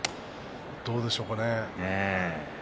どうでしょうかね。